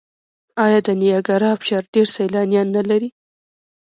آیا د نیاګرا ابشار ډیر سیلانیان نلري؟